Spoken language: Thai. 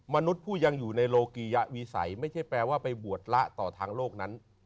มนุษย์ผู้ยังอยู่ในโลกิยะวิสัยไม่ใช่แปลว่าไปบวชละต่อทางโลกนั้น